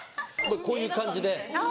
こういう感じで。